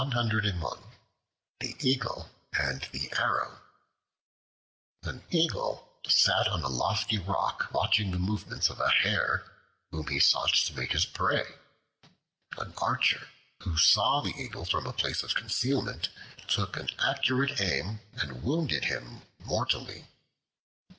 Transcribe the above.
Might makes right. The Eagle and the Arrow AN EAGLE sat on a lofty rock, watching the movements of a Hare whom he sought to make his prey. An archer, who saw the Eagle from a place of concealment, took an accurate aim and wounded him mortally.